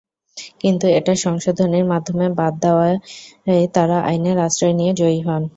কিন্তু এটা সংশোধনীর মাধ্যমে বাদ দেওয়ায় তাঁরা আইনের আশ্রয় নিয়ে জয়ী হন।